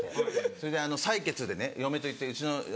それで採血でね嫁と行ってうちの嫁が。